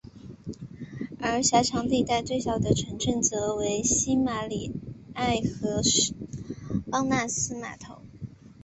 而狭长地带最小的城镇则为圣玛里埃什和邦纳斯码头。